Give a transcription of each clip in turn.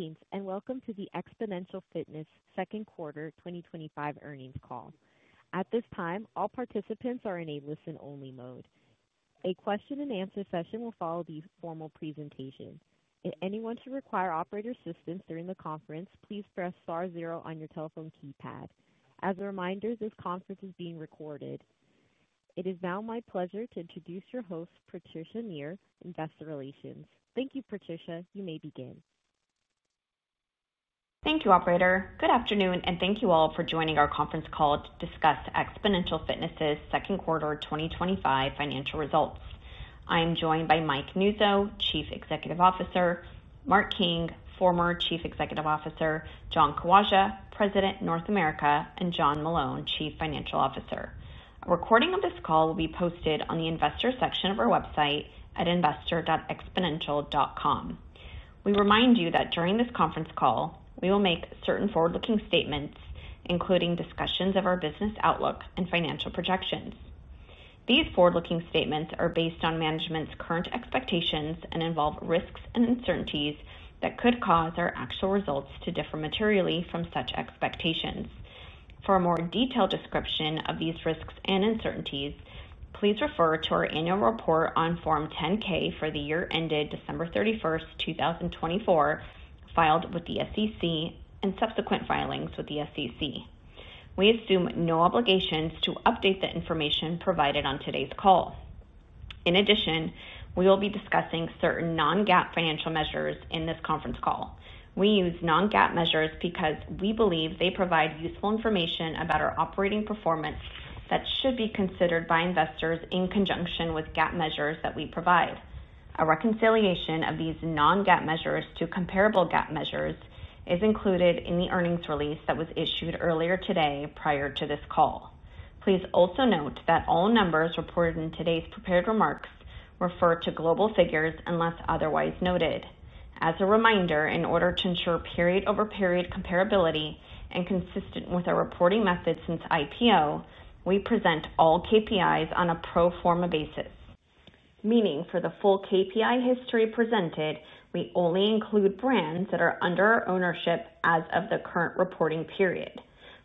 Greetings and welcome to the Xponential Fitness second quarter 2025 earnings call. At this time, all participants are in a listen-only mode. A question and answer session will follow the formal presentation. If anyone should require operator assistance during the conference, please press star zero on your telephone keypad. As a reminder, this conference is being recorded. It is now my pleasure to introduce your host, Patricia Nir, Investor Relations. Thank you, Patricia. You may begin. Thank you, operator. Good afternoon and thank you all for joining our conference call to discuss Xponential Fitness's second quarter 2025 financial results. I am joined by Mike Nuzzo, Chief Executive Officer, Mark King, Former Chief Executive Officer, John Kawaja, President, North America, and John Meloun, Chief Financial Officer. A recording of this call will be posted on the Investor section of our website at investor.xponential.com. We remind you that during this conference call we will make certain forward-looking statements including discussions of our business outlook and financial projections. These forward-looking statements are based on management's current expectations and involve risks and uncertainties that could cause our actual results to differ materially from such expectations. For a more detailed description of these risks and uncertainties, please refer to our annual report on Form 10-K for the year ended December 31, 2024 filed with the SEC and subsequent filings with the SEC. We assume no obligations to update the information provided on today's call. In addition, we will be discussing certain non-GAAP financial measures in this conference call. We use non-GAAP measures because we believe they provide useful information about our operating performance that should be considered by investors in conjunction with GAAP measures that we provide. A reconciliation of these non-GAAP measures to comparable GAAP measures is included in the earnings release that was issued earlier today prior to this call. Please also note that all numbers reported in today's prepared remarks refer to global figures unless otherwise noted. As a reminder, in order to ensure period-over-period comparability and consistent with our reporting method since IPO, we present all KPIs on a pro forma basis, meaning for the full KPI history presented, we only include brands that are under ownership as of the current reporting period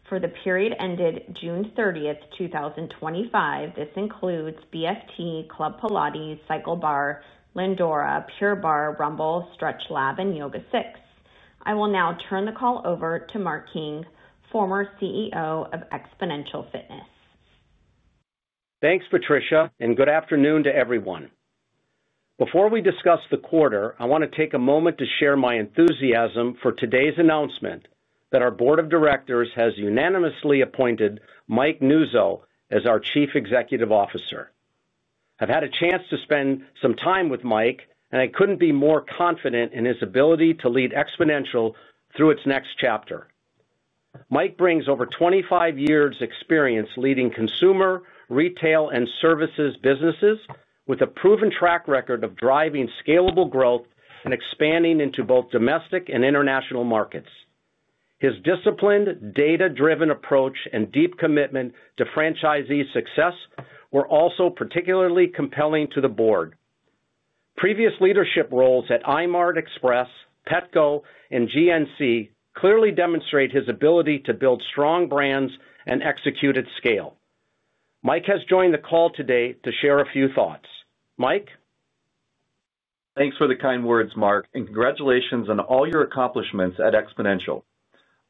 for the period ended June 30, 2025. This includes BFT, Club Pilates, CycleBar, Lindora, Pure Barre, Rumble, StretchLab, and YogaSix. I will now turn the call over to Mark King, former CEO of Xponential Fitness. Thanks, Patricia, and good afternoon to everyone. Before we discuss the quarter, I want to take a moment to share my enthusiasm for today's announcement that our Board of Directors has unanimously appointed Mike Nuzzo as our Chief Executive Officer. I've had a chance to spend some time with Mike, and I couldn't be more confident in his ability to lead Xponential through its next chapter. Mike brings over 25 years' experience leading consumer, retail, and services businesses with a proven track record of driving scalable growth and expanding into both domestic and international markets. His disciplined, data-driven approach and deep commitment to franchisee success were also particularly compelling to the Board. Previous leadership roles at Eyemart Express, Petco, and GNC clearly demonstrate his ability to build strong brands and execute at scale. Mike has joined the call today too. Share a few thoughts. Mike? Thanks for the kind words. Mark, and congratulations on all your accomplishments at Xponential.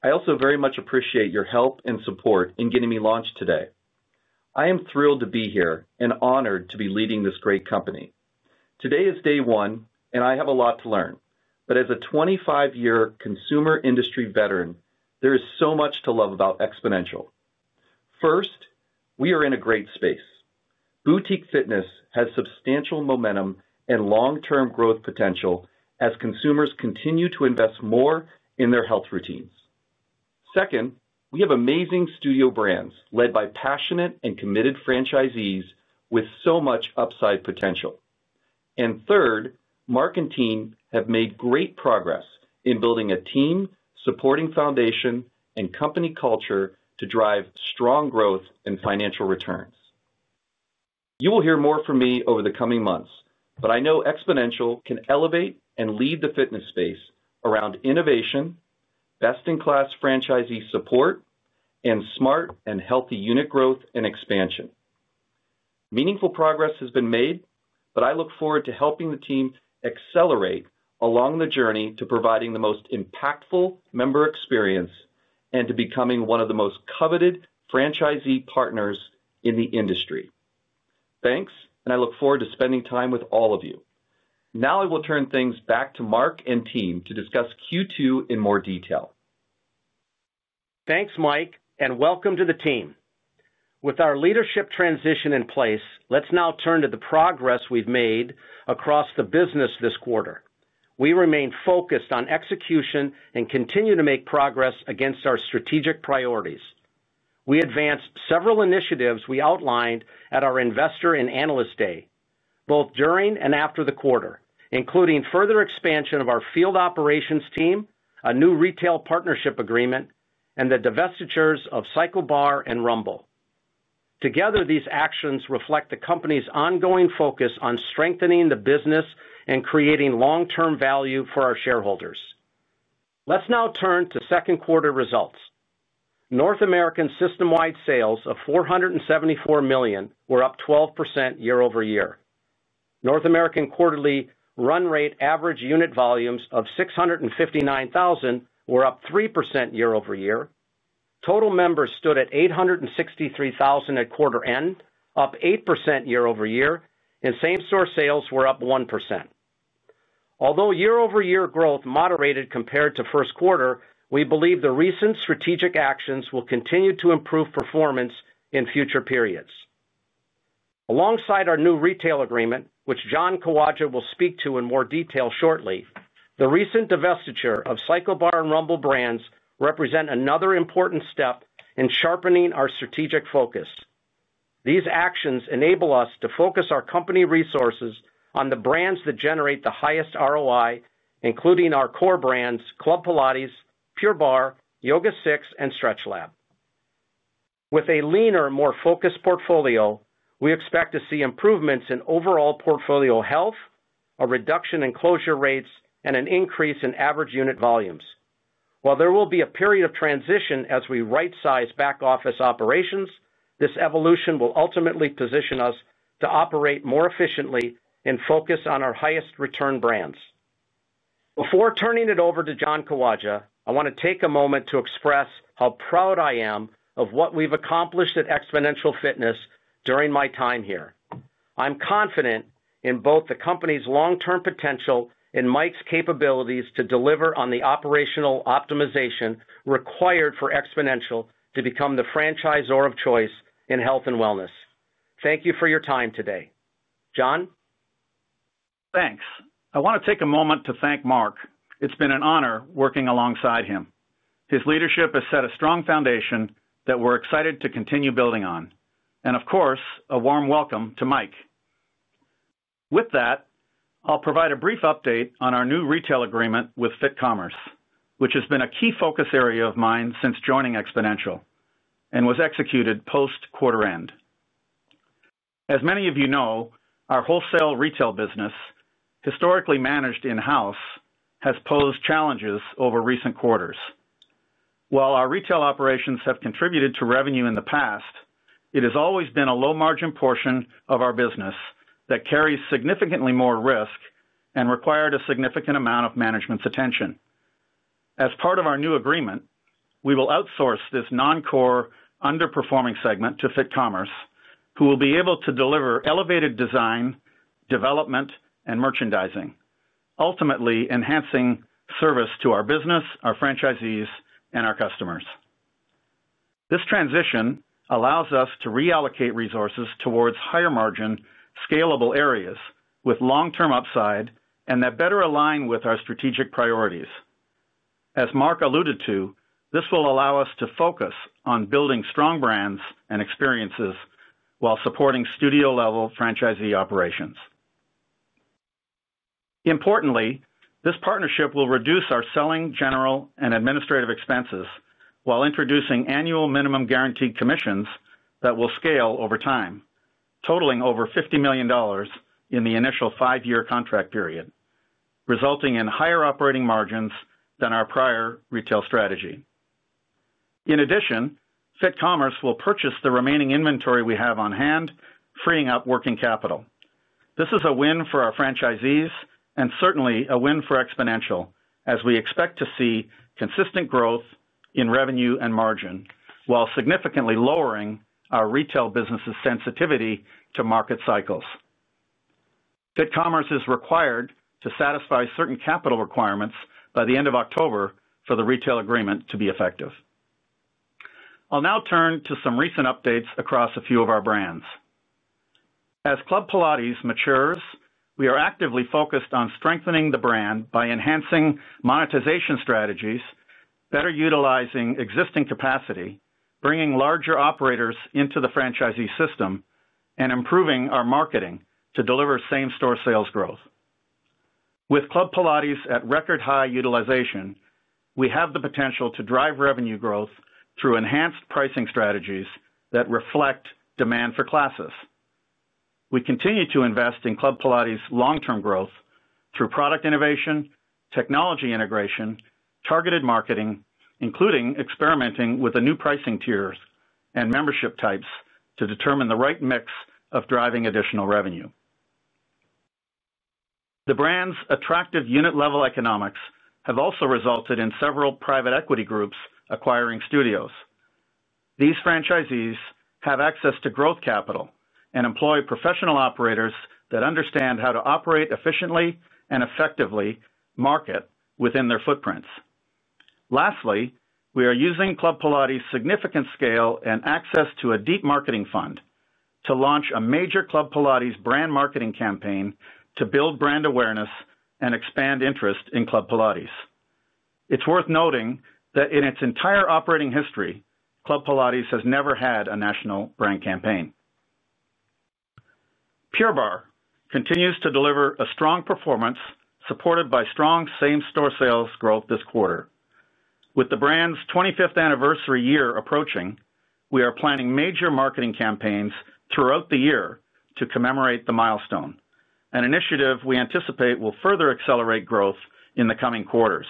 I also very much appreciate your help and support in getting me launched today. I am thrilled to be here and honored to be leading this great company. Today is day one and I have a lot to learn, but as a 25-year consumer industry veteran, there is so much to love about Xponential. First, we are in a great space. Boutique fitness has substantial momentum and long-term growth potential as consumers continue to invest more in their health routines. Second, we have amazing studio brands led by passionate and committed franchisees with so much upside potential. Third, Mark and team have made great progress in building a team, supporting foundation, and company culture to drive strong growth and financial returns. You will hear more from me over the coming months, but I know Xponential can elevate and lead the fitness space around innovation, best-in-class franchisee support, and smart and healthy unit growth and expansion. Meaningful progress has been made, but I look forward to helping the team accelerate along the journey, to providing the most impactful member experience, and to becoming one of the most coveted franchisee partners in the industry. Thanks, and I look forward to spending time with all of you. Now I will turn things back to Mark and team to discuss Q2 in more detail. Thanks, Mike, and welcome to the team. With our leadership transition in place, let's now turn to the progress we've made across the business this quarter. We remain focused on execution and continue to make progress against our strategic priorities. We advanced several initiatives we outlined at our Investor and Analyst Day both during and after the quarter, including further expansion of our field operations team, a new retail partnership agreement, and the divestitures of CycleBar and Rumble. Together, these actions reflect the company's ongoing focus on strengthening the business and creating long-term value for our shareholders. Let's now turn to second quarter results. North American system-wide sales of $474 million were up 12% year over year. North American quarterly sales run rate average unit volumes of $659,000 were up 3% year over year. Total members stood at 863,000 at quarter end, up 8% year over year, and same store sales were up 1%. Although year over year growth moderated compared to first quarter, we believe the recent strategic actions will continue to improve performance in future periods. Alongside our new retail agreement, which John Kawaja will speak to in more detail shortly, the recent divestiture of CycleBar and Rumble brands represent another important step in sharpening our strategic focus. These actions enable us to focus our company resources on the brands that generate the highest ROI, including our core brands Club Pilates, Pure Barre, YogaSix, and StretchLab. With a leaner, more focused portfolio, we expect to see improvements in overall portfolio health, a reduction in closure rates, and an increase in average unit volumes. While there will be a period of transition as we right size back office operations, this evolution will ultimately position us to operate more efficiently and focus on our highest return brands. Before turning it over to John Kawaja, I want to take a moment to express how proud I am of what we've accomplished at Xponential Fitness during my time here. I'm confident in both the company's long-term potential and Mike's capabilities to deliver on the operational optimization required for Xponential to become the franchisor of choice in health and wellness. Thank you for your time today, John. Thanks. I want to take a moment to thank Mark. It's been an honor working alongside him. His leadership has set a strong foundation that we're excited to continue building on. Of course, a warm welcome to Mike. With that, I'll provide a brief update on our new retail agreement with Fit Commerce, which has been a key focus area of mine since joining Xponential and was executed post quarter end. As many of you know, our wholesale retail business, historically managed in house, has posed challenges over recent quarters. While our retail operations have contributed to revenue in the past, it has always been a low margin portion of our business that carries significantly more risk and required a significant amount of management's attention. As part of our new agreement, we will outsource this non-core underperforming segment to Fit Commerce, who will be able to deliver elevated design, development, and merchandising, ultimately enhancing service to our business, our franchisees, and our customers. This transition allows us to reallocate resources towards higher margin scalable areas with long term upside and that better align with our strategic priorities. As Mark alluded to, this will allow us to focus on building strong brands and experiences while supporting studio level franchisee operations. Importantly, this partnership will reduce our selling, general, and administrative expenses while introducing annual minimum guaranteed commissions that will scale over time, totaling over $50 million in the initial five year contract period, resulting in higher operating margins than our prior retail strategy. In addition, Fit Commerce will purchase the remaining inventory we have on hand, freeing up working capital. This is a win for our franchisees and certainly a win for Xponential as we expect to see consistent growth in revenue and margin while significantly lowering our retail business's sensitivity to market cycles. Fit Commerce is required to satisfy certain capital requirements by the end of October for the retail agreement to be effective. I'll now turn to some recent updates across a few of our brands. As Club Pilates matures, we are actively focused on strengthening the brand by enhancing monetization strategies, better utilizing existing capacity, bringing larger operators into the franchisee system, and improving our marketing to deliver same store sales growth. With Club Pilates at record high utilization, we have the potential to drive revenue growth through enhanced pricing strategies that reflect demand for classes. We continue to invest in Club Pilates long term growth through product innovation, technology integration, targeted marketing, including experimenting with the new pricing tiers and membership types to determine the right mix of driving additional revenue. The brand's attractive unit level economics have also resulted in several private equity groups acquiring studios. These franchisees have access to growth capital and employ professional operators that understand how to operate efficiently and effectively market within their footprints. Lastly, we are using Club Pilates' significant scale and access to a deep marketing fund to launch a major Club Pilates brand marketing campaign to build brand awareness and expand interest in Club Pilates. It's worth noting that in its entire operating history, Club Pilates has never had a national brand campaign. Pure Barre continues to deliver a strong performance supported by strong same store sales growth this quarter. With the brand's 25th anniversary year approaching, we are planning major marketing campaigns throughout the year to commemorate the milestone, an initiative we anticipate will further accelerate growth in the coming quarters.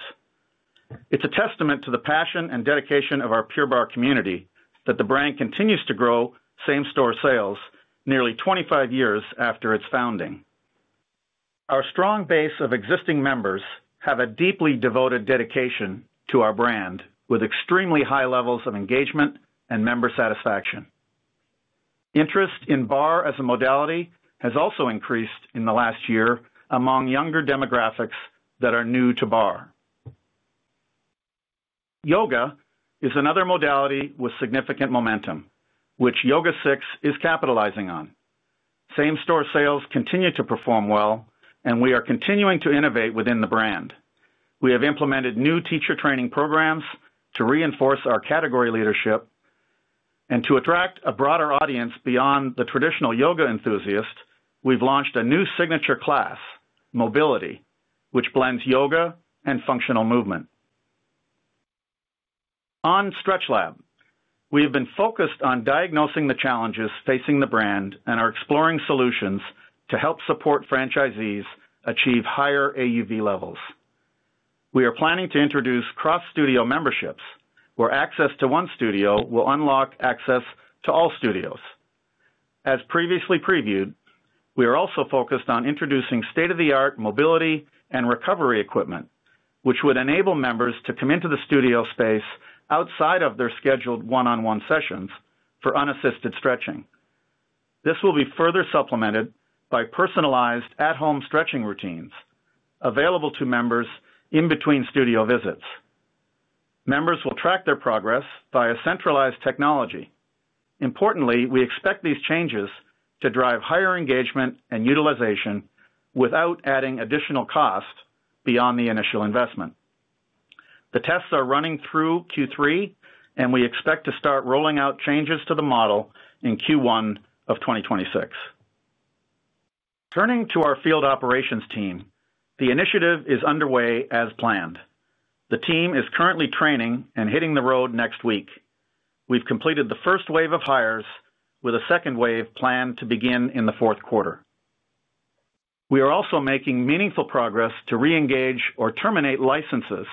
It's a testament to the passion and dedication of our Pure Barre community that the brand continues to grow same store sales nearly 25 years after its founding. Our strong base of existing members have a deeply devoted dedication to our brand with extremely high levels of engagement and member satisfaction. Interest in barre as a modality has also increased in the last year among younger demographics that are new to barre. Yoga is another modality with significant momentum which YogaSix is capitalizing on. Same store sales continue to perform well and we are continuing to innovate within the brand. We have implemented new teacher training programs to reinforce our category leadership and to attract a broader audience beyond the traditional yoga enthusiast, we've launched a new signature class, Mobility, which blends yoga and functional movement. On StretchLab, we have been focused on diagnosing the challenges facing the brand and are exploring solutions to help support franchisees achieve higher average unit volumes. We are planning to introduce cross studio memberships where access to one studio will unlock access to all studios as previously previewed. We are also focused on introducing state-of-the-art mobility and recovery equipment, which would enable members to come into the studio space outside of their scheduled one-on-one sessions for unassisted stretching. This will be further supplemented by personalized at-home stretching routines available to members. In between studio visits, members will track their progress via centralized technology. Importantly, we expect these changes to drive higher engagement and utilization without adding additional cost. Beyond the initial investment, the tests are running through Q3, and we expect to start rolling out changes to the model in Q1 of 2026. Turning to our field operations team, the initiative is underway as planned. The team is currently training and hitting the road. Next week, we've completed the first wave of hires, with a second wave planned to begin in the fourth quarter. We are also making meaningful progress to reengage or terminate licenses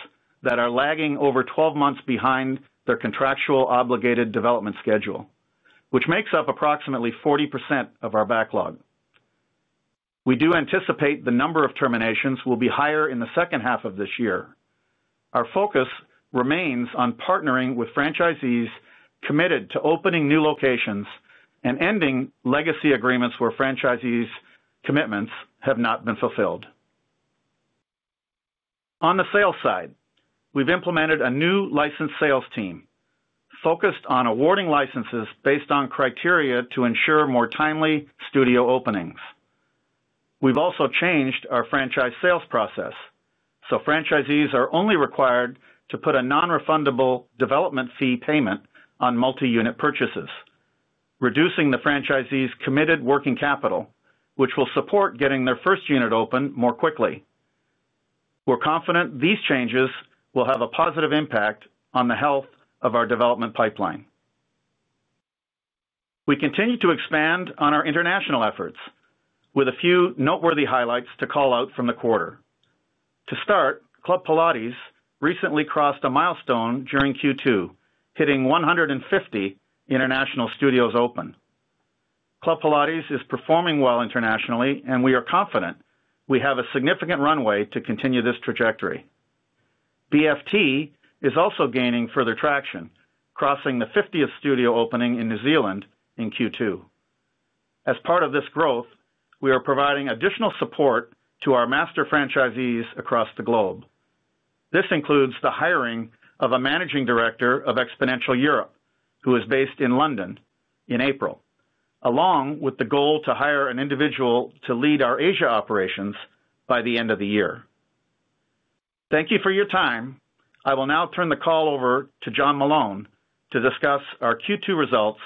that are lagging over 12 months behind their contractually obligated development schedule, which makes up approximately 40% of our backlog. We do anticipate the number of terminations will be higher in the second half of this year. Our focus remains on partnering with franchisees committed to opening new locations and ending legacy agreements where franchisees' commitments have not been fulfilled. On the sales side, we've implemented a new licensed sales team focused on awarding licenses based on criteria to ensure more timely studio openings. We've also changed our franchise sales process so franchisees are only required to put a non-refundable development fee payment on multi-unit purchases, reducing the franchisees' committed working capital, which will support getting their first unit open more quickly. We're confident these changes will have a positive impact on the health of our development pipeline. We continue to expand on our international efforts with a few noteworthy highlights to call out from the quarter to start. Club Pilates recently crossed a milestone during Q2, hitting 150 international studios open. Club Pilates is performing well internationally, and we are confident we have a significant runway to continue this trajectory. BFT is also gaining further traction, crossing the 50th studio opening in New Zealand in Q2. As part of this growth, we are providing additional support to our master franchisees across the globe. This includes the hiring of a Managing Director of XPONENTIAL Europe who is based in London in April, along with the goal to hire an individual to lead our Asia operations by the end of the year. Thank you for your time. I will now turn the call over to John Meloun to discuss our Q2 results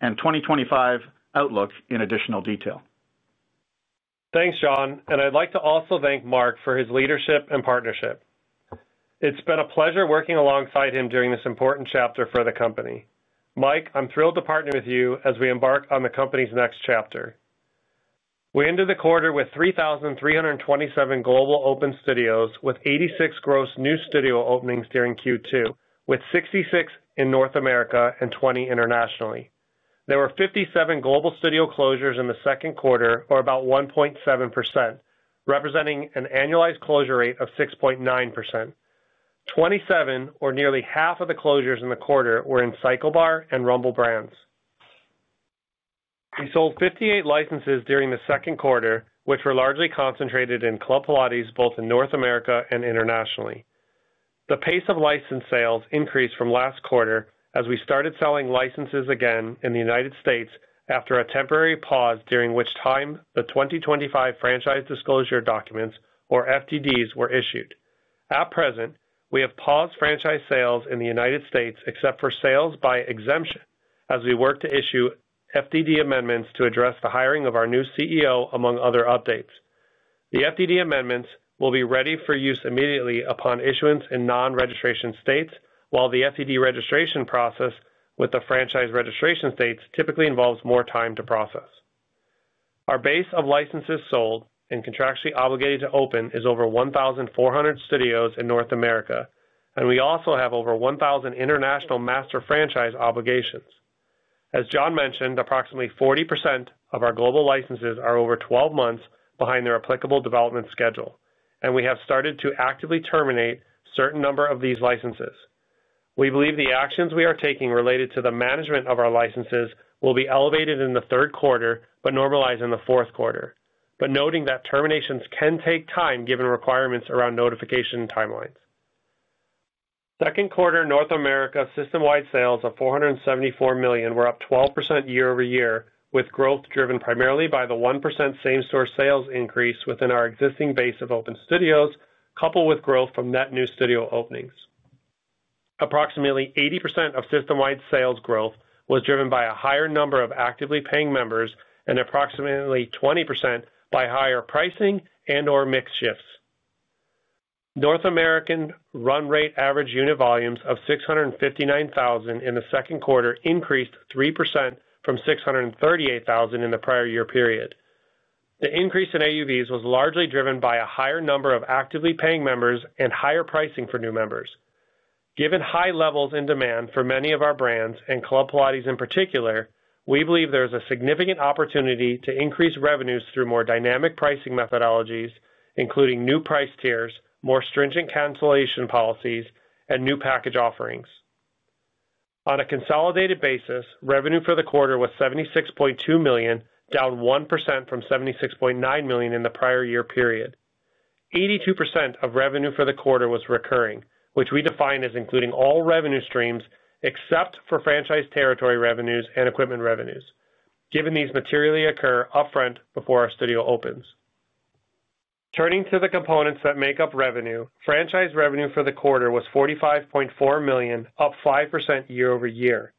and 2025 outlook in additional detail. Thanks, John, and I'd like to also thank Mark for his leadership and partnership. It's been a pleasure working alongside him during this important chapter for the company. Mike, I'm thrilled to partner with you as we embark on the company's next chapter. We ended the quarter with 3,327 global open studios with 86 gross new studio openings during Q2, with 66 in North America and 20 internationally. There were 57 global studio closures in the second quarter, or about 1.7%, representing an annualized closure rate of 6.9%. 27, or nearly half of the closures in the quarter, were in CycleBar and Rumble brands. We sold 58 licenses during the second quarter, which were largely concentrated in Club Pilates both in North America and internationally. The pace of license sales increased from last quarter as we started selling licenses again in the United States after a temporary pause during which time the 2025 franchise disclosure documents, or FDDs, were issued. At present, we have paused franchise sales in the United States except for sales by exemption as we work to issue FDD Amendments to address the hiring of our new CEO. Among other updates, the FDD Amendments will be ready for use immediately upon issuance in non-registration states. While the FDD registration process with the franchise registration states typically involves more time to process, our base of licenses sold and contractually obligated to open is over 1,400 studios in North America, and we also have over 1,000 international master franchise obligations. As John mentioned, approximately 40% of our global licenses are over 12 months behind their applicable development schedule, and we have started to actively terminate a certain number of these licenses. We believe the actions we are taking related to the management of our licenses will be elevated in the third quarter but normalize in the fourth quarter, noting that terminations can take time given requirements around notification timelines. Second quarter North America system-wide sales of $474 million were up 12% year over year, with growth driven primarily by the 1% same store sales increase within our existing base of open studios coupled with growth from net new studio openings. Approximately 80% of system-wide sales growth was driven by a higher number of actively paying members and approximately 20% by higher pricing and or mix shifts. North American run rate average unit volumes of $659,000 in the second quarter increased 3% from $638,000 in the prior year period. The increase in AUVs was largely driven by a higher number of actively paying members and higher pricing for new members. Given high levels in demand for many of our brands and Club Pilates in particular, we believe there is a significant opportunity to increase revenues through more dynamic pricing methodologies including new price tiers, more stringent cancellation policies, and new package offerings. On a consolidated basis, revenue for the quarter was $76.2 million and down 1% from $76.9 million in the prior year period. 82% of revenue for the quarter was recurring, which we defined as including all revenue streams except for franchise territory revenues and equipment revenues given these materially occur upfront before our studio opens. Turning to the components that make up revenue, franchise revenue for the quarter was $45.4 million, up 5% year over year.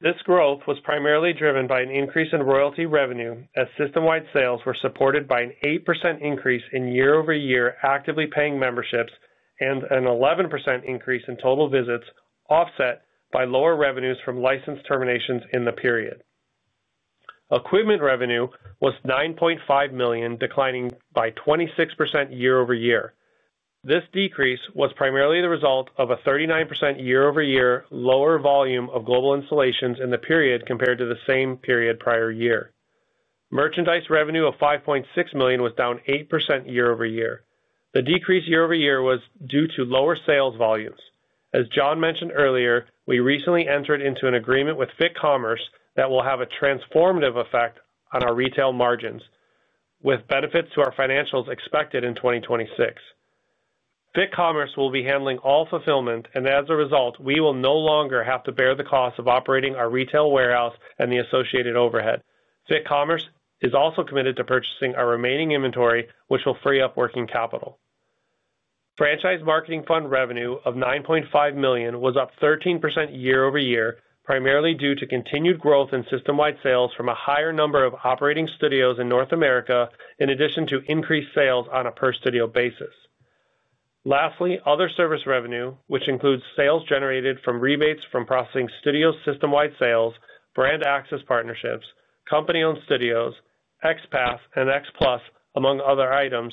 This growth was primarily driven by an increase in royalty revenue as system-wide sales were supported by an 8% increase in year over year actively paying memberships and an 11% increase in total visits, offset by lower revenues from license terminations in the period. Equipment revenue was $9.5 million, declining by 26% year over year. This decrease was primarily the result of a 39% year over year lower volume of global installations in the period compared to the same period prior year. Merchandise revenue of $5.6 million was down 8% year over year. The decrease year over year was due to lower sales volumes. As John mentioned earlier, we recently entered into an agreement with Fit Commerce that will have a transformative effect on our retail margins with benefits to our financials expected in 2026. Fit Commerce will be handling all fulfillment and as a result we will no longer have to bear the cost of operating our retail warehouse and the associated overhead. Fit Commerce is also committed to purchasing our remaining inventory, which will free up working capital. Franchise marketing fund revenue of $9.5 million was up 13% year over year, primarily due to continued growth in system-wide sales from a higher number of operating studios in North America in addition to increased sales on a per studio basis. Lastly, other service revenue, which includes sales generated from rebates from processing studio system-wide sales, brand access partnerships, company-owned studios, XPASS and XPLUS, among other items,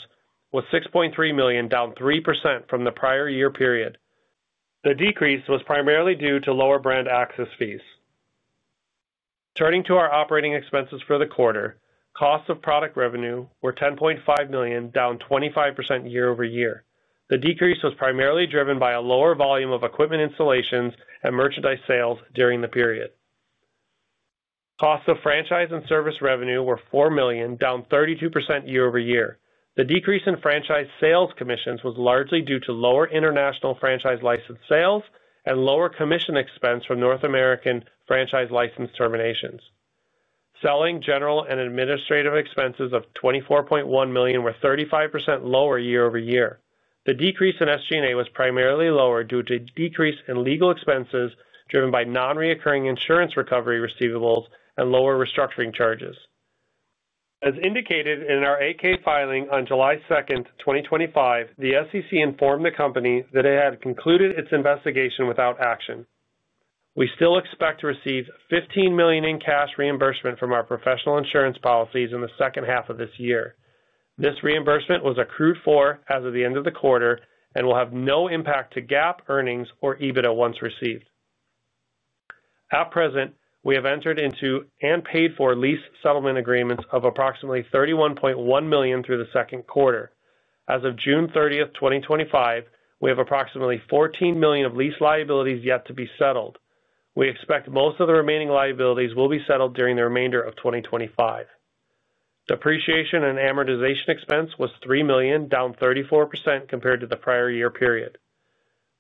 was $6.3 million, down 3% from the prior year period. The decrease was primarily due to lower brand access fees. Turning to our operating expenses for the quarter, cost of product revenue was $10.5 million, down 25% year over year. The decrease was primarily driven by a lower volume of equipment installations and merchandise sales during the period. Costs of franchise and service revenue were $4 million, down 32% year over year. The decrease in franchise sales commissions was largely due to lower international franchise license sales and lower commission expense from North American franchise license terminations. Selling, general, and administrative expenses of $24.1 million were 35% lower year over year. The decrease in SG&A was primarily due to a decrease in legal expenses driven by nonrecurring insurance recovery receivables and lower restructuring charges. As indicated in our 8-K filing on July 2, 2025, the SEC informed the company that it had concluded its investigation without action. We still expect to receive $15 million in cash reimbursement from our professional insurance policies in the second half of this year. This reimbursement was accrued for as of the end of the quarter and will have no impact to GAAP earnings or EBITDA once received. At present, we have entered into and paid for lease settlement agreements of approximately $31.1 million through the second quarter. As of June 30, 2025, we have approximately $14 million of lease liabilities yet to be settled. We expect most of the remaining liabilities will be settled during the remainder of 2025. Depreciation and amortization expense was $3 million, down 34% compared to the prior year period.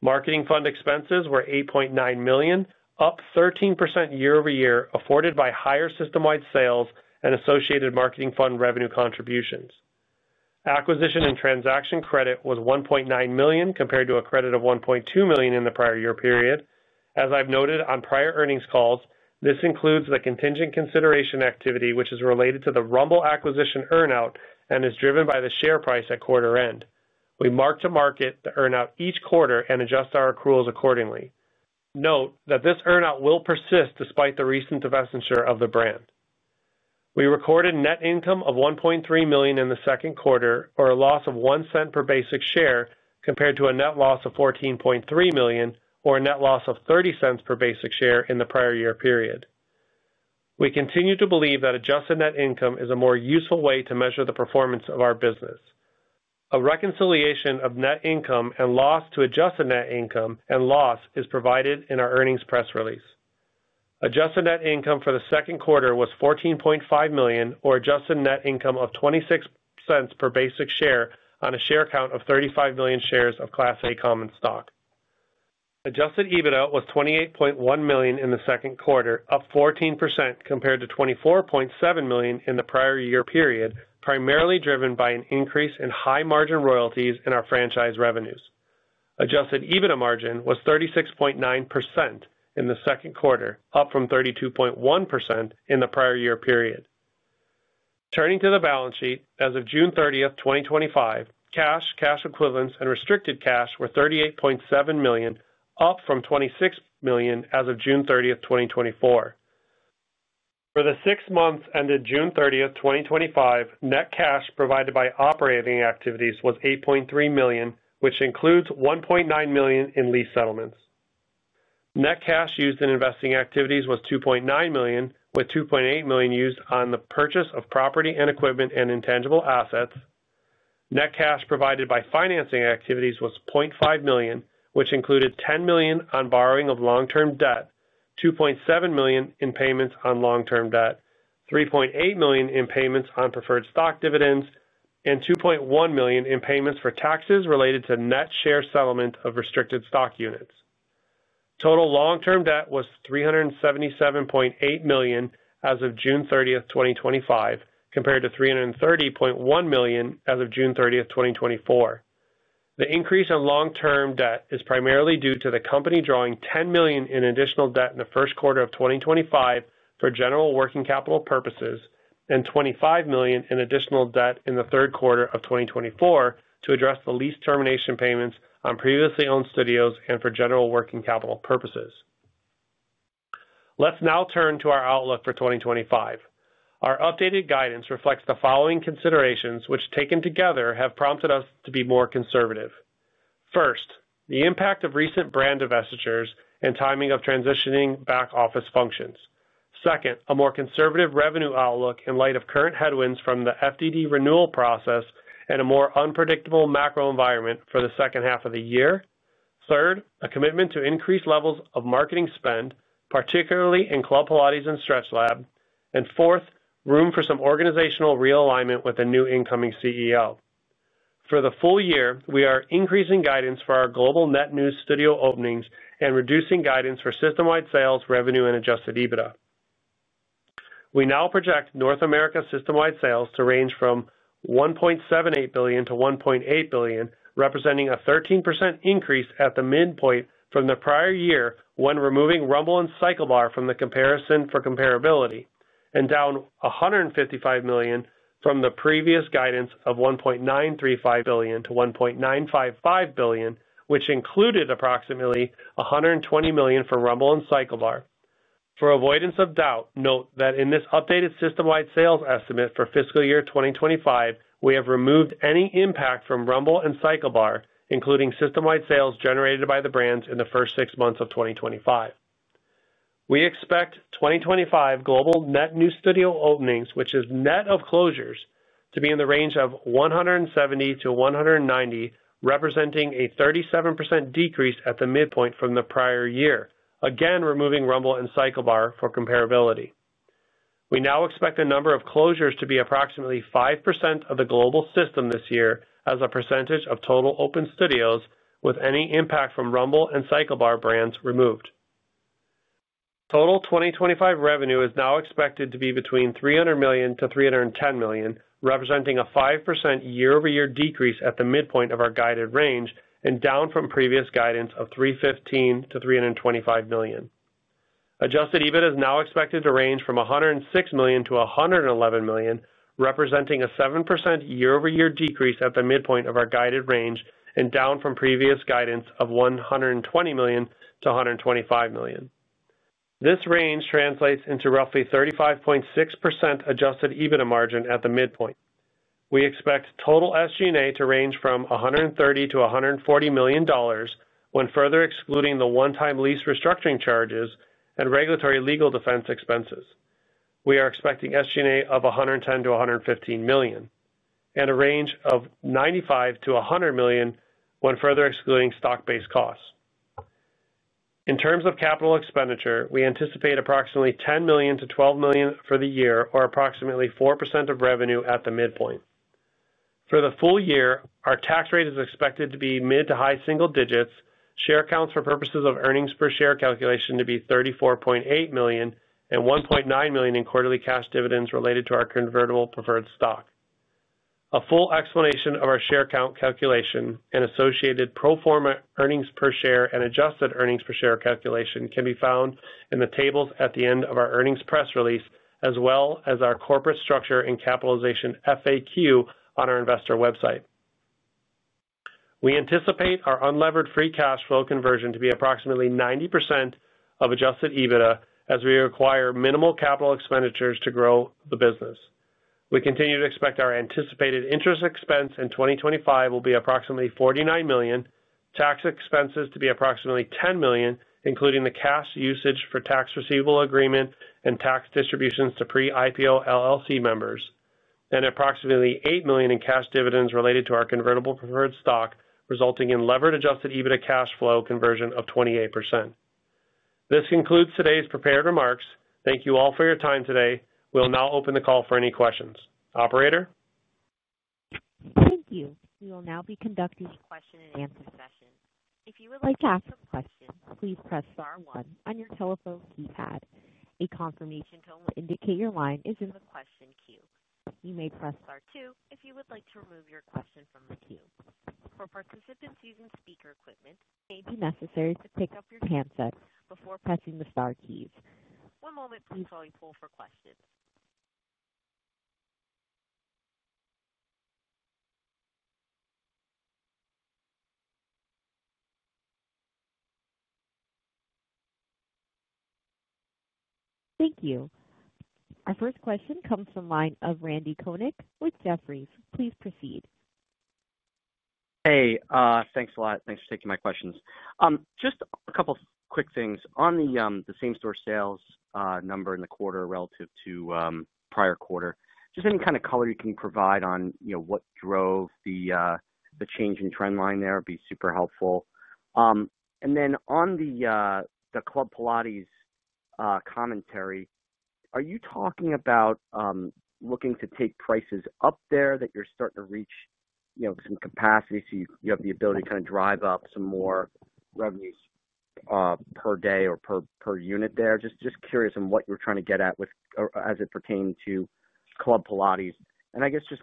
Marketing fund expenses were $8.9 million, up 13% year over year, afforded by higher system-wide sales and associated marketing fund revenue contributions. Acquisition and transaction credit was $1.9 million compared to a credit of $1.2 million in the prior year period. As I've noted on prior earnings calls, this includes the contingent consideration activity which is related to the Rumble acquisition earnout and is driven by the share price at quarter end. We mark to market the earnout each quarter and adjust our accruals accordingly. Note that this earnout will persist despite the recent divestiture of the brand. We recorded net income of $1.3 million in the second quarter, or a loss of $0.01 per basic share, compared to a net loss of $14.3 million, or a net loss of $0.30 per basic share in the prior year period. We continue to believe that adjusted net income is a more useful way to measure the performance of our business. A reconciliation of net income and loss to adjusted net income and loss is provided in our earnings press release. Adjusted net income for the second quarter was $14.5 million, or adjusted net income of $0.26 per basic share on a share count of 35 million shares of Class A common stock. Adjusted EBITDA was $28.1 million in the second quarter, up 14% compared to $24.7 million in the prior year period, primarily driven by an increase in high margin royalties in our franchise revenues. Adjusted EBITDA margin was 36.9% in the second quarter, up from 32.1% in the prior year period. Turning to the balance sheet, as of June 30, 2025, cash, cash equivalents, and restricted cash were $38.7 million, up from $26 million as of June 30, 2024. For the six months ended June 30, 2025, net cash provided by operating activities was $8.3 million, which includes $1.9 million in lease settlements. Net cash used in investing activities was $2.9 million, with $2.8 million used on the purchase of property and equipment and intangible assets. Net cash provided by financing activities was $0.5 million, which included $10 million on borrowing of long term debt, $2.7 million in payments on long term debt, $3.8 million in payments on preferred stock dividends, and $2.1 million in payments for taxes related to net share settlement of restricted stock units. Total long term debt was $377.8 million as of June 30, 2025, compared to $330.1 million as of June 30, 2024. The increase in long term debt is primarily due to the company drawing $10 million in additional debt in the first quarter of 2025 for general working capital purposes and $25 million in additional debt in the third quarter of 2024 to address the lease termination payments on previously owned studios and for general working capital purposes. Let's now turn to our outlook for 2025. Our updated guidance reflects the following considerations, which taken together have prompted us to be more conservative. First, the impact of recent brand divestitures and timing of transitioning back office functions. Second, a more conservative revenue outlook in light of current headwinds from the FDD renewal process and a more unpredictable macro environment for the second half of the year. Third, a commitment to increased levels of marketing spend, particularly in Club Pilates and StretchLab, and fourth, room for some organizational realignment with a new incoming CEO for the full year. We are increasing guidance for our global net new studio openings and reducing guidance for system-wide sales, revenue, and adjusted EBITDA. We now project North America system-wide sales to range from $1.78 billion-$1.8 billion, representing a 13% increase at the midpoint from the prior year when removing Rumble and CycleBar from the comparison for comparability and down $155 million from the previous guidance of $1.935 billion-$1.955 billion, which included approximately $120 million for Rumble and CycleBar. For avoidance of doubt, note that in this updated system-wide sales estimate for fiscal year 2025, we have removed any impact from Rumble and CycleBar, including system-wide sales generated by the brands in the first six months of 2025. We expect 2025 global net new studio openings, which is net of closures, to be in the range of 170-190, representing a 37% decrease at the midpoint from the prior year. Again, removing Rumble and CycleBar for comparability, we now expect the number of closures to be approximately 5% of the global system this year as a percentage of total open studios, with any impact from Rumble and CycleBar brands removed. Total 2025 revenue is now expected to be between $300 million-$310 million, representing a 5% year-over-year decrease at the midpoint of our guided range and down from previous guidance of $315 million-$325 million. Adjusted EBITDA is now expected to range from $106 million-$111 million, representing a 7% year-over-year decrease at the midpoint of our guided range and down from previous guidance of $120 million-$125 million. This range translates into roughly 35.6% adjusted EBITDA margin at the midpoint. We expect total SG&A to range from $130 million-$140 million. When further excluding the one-time lease restructuring charges and regulatory legal defense expenses, we are expecting SG&A of $110 million-$115 million and a range of $95 million-$100 million when further excluding stock-based costs. In terms of capital expenditure, we anticipate approximately $10 million-$12 million for the year, or approximately 4% of revenue at the midpoint. For the full year, our tax rate is expected to be mid to high single digits. Share counts for purposes of earnings per share calculation to be 34.8 million and $1.9 million in quarterly cash dividends related to our convertible preferred stock. A full explanation of our share count calculation and associated pro forma earnings per share and adjusted earnings per share calculation can be found in the tables at the end of our earnings press release, as well as our corporate structure and capitalization FAQ on our investor website. We anticipate our unlevered free cash flow conversion to be approximately 90% of adjusted EBITDA, as we require minimal capital expenditures to grow the business. We continue to expect our anticipated interest expense in 2025 will be approximately $49 million. Tax expenses to be approximately $10 million, including the cash usage for tax receivable agreement and tax distributions to pre-IPO LLC members, and approximately $8 million in cash dividends related to our convertible preferred stock, resulting in levered adjusted EBITDA cash flow conversion of 28%. This concludes today's prepared remarks. Thank you all for your time today. We'll now open the call for any questions. Operator, thank you. We will now be conducting a question and answer session. If you would like to ask a question, please press star one on your telephone keypad. A confirmation tone will indicate your line is in the question queue. You may press star two if you would like to remove your question from review. For participants using speaker equipment, it may be necessary to pick up your handset before pressing the star keys. One moment, please. Calling poll for question. Thank you. Our first question comes from the line of Randal Konik with Jefferies. Please proceed. Hey, thanks a lot. Thanks for taking my questions. Just a couple quick things. On the same store sales number in the quarter relative to prior quarter, just any kind of color you can provide on what drove the change in trend line there. Be super helpful. On the Club Pilates commentary, are you talking about looking to take prices up there, that you're starting to reach some capacity so you have the ability to kind of drive up some more revenues per day or perhaps per unit there? Just curious on what you're trying to get at as it pertains to Club Pilates.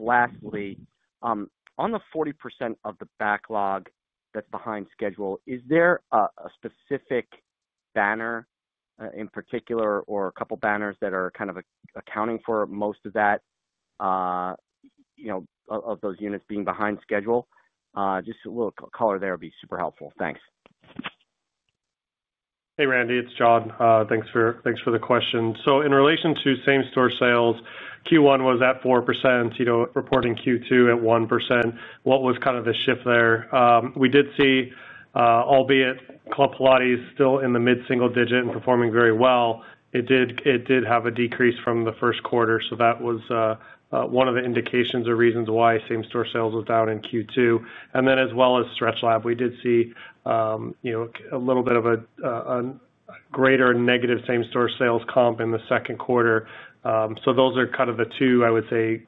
Lastly, on the 40% of the backlog that's behind schedule, is there a specific banner in particular or a couple banners that are kind of accounting for most of those units being behind schedule? Just a little color there would be super helpful. Thanks. Hey Randy, it's John. Thanks for the question. In relation to same store sales, Q1 was at 4%, reporting Q2 at 1%. What was the shift there? We did see, albeit Club Pilates still in the mid single digit and performing very well, it did have a decrease from the first quarter. That was one of the indications or reasons why same store sales was down in Q2. As well as StretchLab, we did see a little bit of a slight, a greater negative same store sales comp in the second quarter. Those are the two, I would say,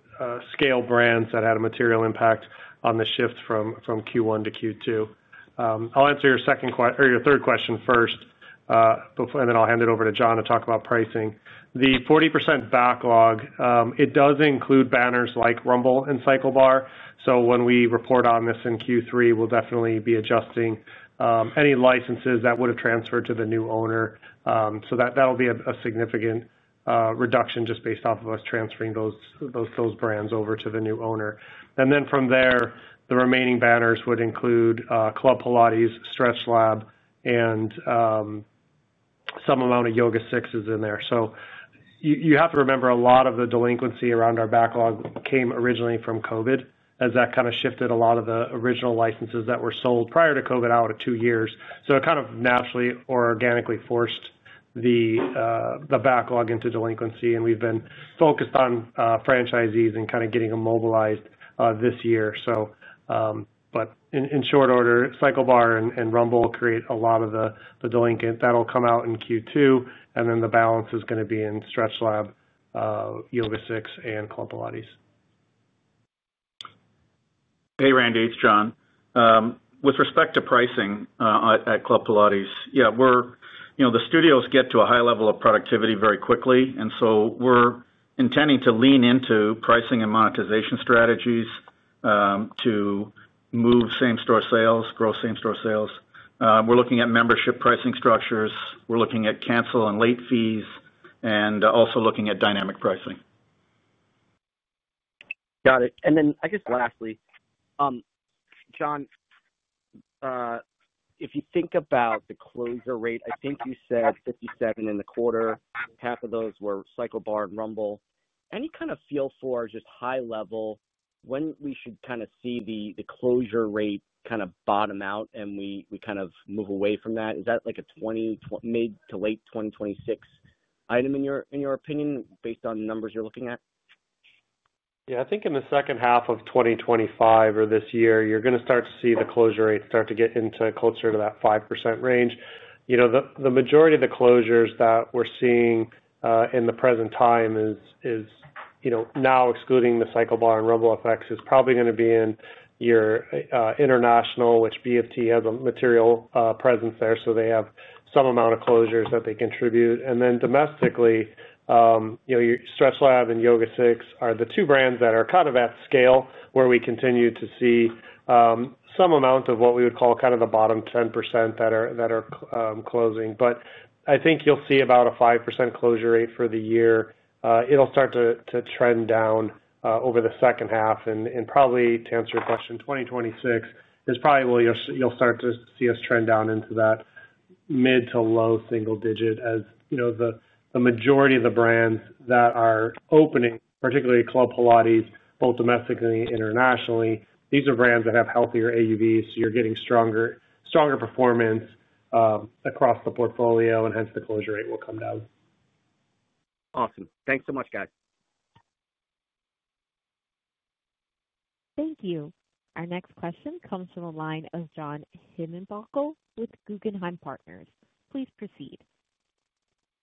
scale brands that had a material impact on the shift from Q1 to Q2. I'll answer your second or your third question first and then I'll hand it over to John to talk about pricing. The 40% backlog does include banners like Rumble and CycleBar. When we report on this in Q3, we'll definitely be adjusting any licenses that would have transferred to the new owner. That will be a significant reduction just based off of us transferring those brands over to the new owner. From there, the remaining banners would include Club Pilates, StretchLab, and some amount of YogaSixes in there. You have to remember a lot of the delinquency around our backlog came originally from COVID as that shifted a lot of the original licenses that were sold prior to COVID out of two years. It naturally, organically forced the backlog into delinquency. We've been focused on franchisees and getting immobilized this year. In short order, CycleBar and Rumble create a lot of the delinquent that'll come out in Q2 and then the balance is going to be in StretchLab, YogaSix, and Club Pilates. Hey Randy, it's John. With respect to pricing at Club Pilates, the studios get to a high level of productivity very quickly, and we're intending to lean into pricing and monetization strategies to move same store sales growth, same store sales. We're looking at membership pricing structures, we're looking at cancel and late fees, and also looking at dynamic pricing. Got it. I guess lastly, John. If. You think about the closure rate, I think you said 57 in the quarter, half of those were CycleBar and Rumble. Any kind of feel for just high level when we should kind of see the closure rate bottom out and we move away from that? Is that like a 2026, mid to late 2026 item in your opinion based on numbers you're looking at? Yeah, I think in the second half of 2025 or this year, you're going to start to see the closure rate start to get into closer to that 5% range. The majority of the closures that we're seeing in the present time is, now excluding the CycleBar and Rumble effects, is probably going to be in your international, which BFT has a material presence there. They have some amount of closures that they contribute. Domestically, StretchLab and YogaSix are the two brands that are kind of at scale where we continue to see some amount of what we would call kind of the bottom 10% that are closing. I think you'll see about a 5% closure rate for the year. It'll start to trend down over the second half and probably to answer your question, 2026 is probably you'll start to see us trend down into that mid to low single digit. As you know, the majority of the brands that are opening, particularly Club Pilates, both domestically and internationally, these are brands that have healthier AUVs. You're getting stronger, stronger performance across the portfolio and hence the closure rate will come down. Awesome. Thanks so much, guys. Thank you. Our next question comes from the line of John Heinbockel with Guggenheim Partners. Please proceed.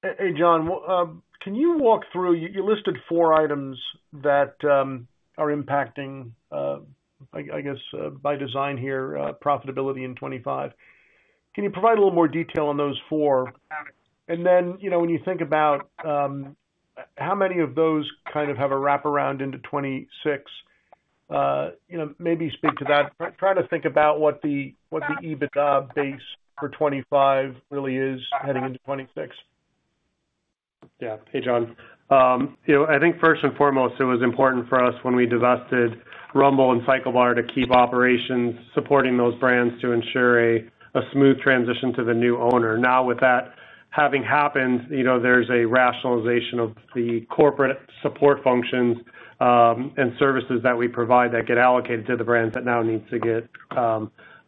Hey John, can you walk through, you listed four items that are impacting, I guess by design here, profitability in 2025. Can you provide a little more detail on those four? When you think about how many of those kind of have a wraparound into 2026, maybe speak to that. Try to think about what the EBITDA base for 2025 really is heading into 2026. Yeah. Hey John, I think first and foremost it was important for us when we divested Rumble and CycleBar to keep operations supporting those brands to ensure a smooth transition to the new owner. Now with that having happened, there's a rationalization of the corporate support functions and services that we provide that get allocated to the brands that now needs to get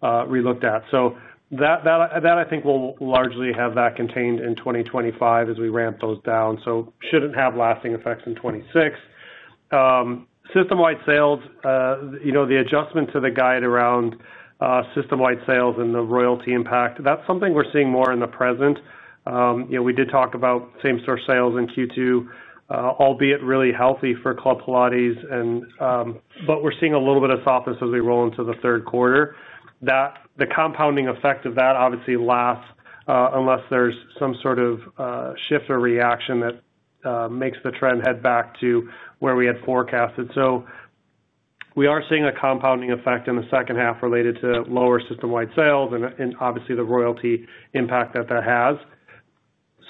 relooked at, so that, I think, will largely have that contained in 2025 as we ramp those down. It should not have lasting effects in 2026. System-wide sales, the adjustment to the guide around system-wide sales and the royalty impact, that's something we're seeing more in the present. We did talk about same store sales in Q2, albeit really healthy for Club Pilates, but we're seeing a little bit of softness as we roll into the third quarter. The compounding effect of that obviously lasts unless there's some sort of shift or reaction that makes the trend head back to where we had forecasted. We are seeing a compounding effect in the second half related to lower system-wide sales and obviously the royalty impact that that has.